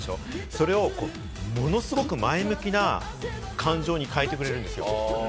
それをものすごく前向きな感情に変えてくれるんですよ。